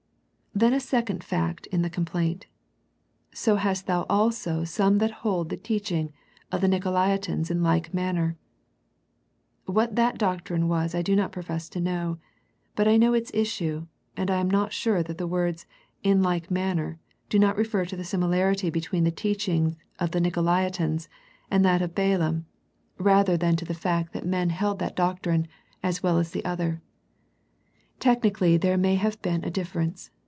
Then a second fact in the complaint, " So hast thou also some that hold the teaching of the Nicolaitans in like manner." What that doctrine was I do not profess to know, but I know its issue, and I am not sure that the words " in like manner," do not refer to the similarity between the teaching of the Nicolai tans, and that of Balaam, rather than to the loo A First Century Message fact that men held that doctrine, as well as the other. Technically there may have been a difference.